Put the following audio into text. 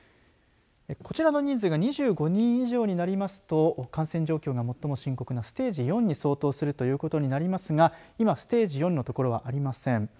こちらの人数が２５人以上になりますと感染状況が最も深刻なステージ４に相当するということになりますが今、ステージ４の所はありません。